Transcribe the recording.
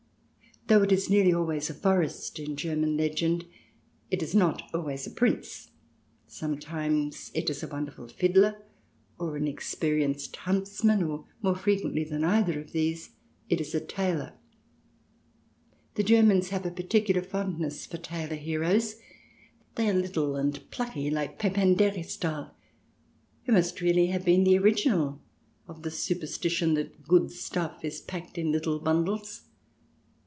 Though it is nearly always a forest in German legend, it is not always a Prince. Sometimes it is a wonderful fiddler, or an experienced huntsman, and more frequently than either of these it is a tailor. The Germans have a particular fondness for tailor heroes. They are little and plucky, like Pepin d'Heristal, who must really have been the original of the superstition that good stuff is packed in little bundles.